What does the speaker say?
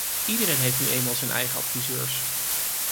Iedereen heeft nu eenmaal zijn eigen adviseurs.